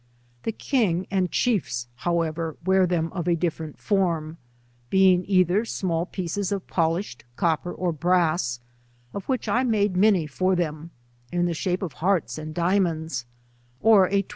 The king and chiefs, however, wear them of a dififerent form, being either small pieces of polished copper or brass, of which I made many for them, in tbe shape of hearts and diamonds, or a tw?